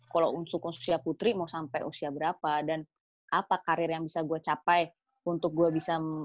kalau untuk usia putri mau sampai usia berapa dan apa karir yang bisa gue capai untuk gue bisa